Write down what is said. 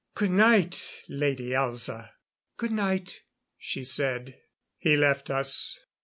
"Goodnight, Lady Elza." "Goodnight," she said. He left us.